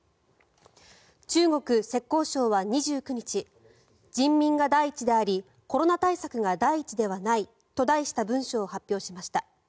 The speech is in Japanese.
中国・浙江省は２９日人民が第一でありコロナ対策が第一ではないと題した文書を発表しました。